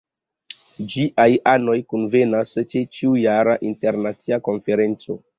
Ĝiaj anoj kunvenas ĉe ĉiujara Internacia Konferenco.